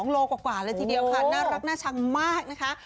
โลกว่าเลยทีเดียวค่ะน่ารักน่าชังมากนะคะ